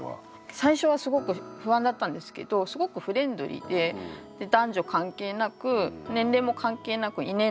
最初はすごく不安だったんですけどすごくフレンドリーで男女関係なく年齢も関係なく異年齢で遊ぶなんか空気があって。